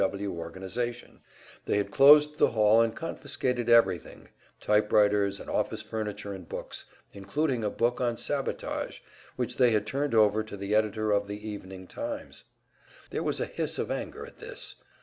W. W. organization; they had closed the hall, and confiscated everything, typewriters and office furniture and books including a book on Sabotage which they had turned over to the editor of the "Evening Times"! There was a hiss of anger at this.